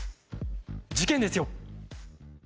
事件ですよ。